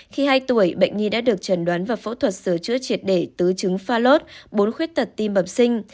khi hai tuổi bệnh nhi đã được trần đoán vào phẫu thuật sửa chữa triệt để tứ trứng pha lốt bốn khuyết tật tim bẩm sinh